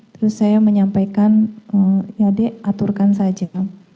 terus saya menyampaikan ya dek aturkan saja